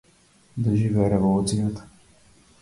Да живее Револуцијата.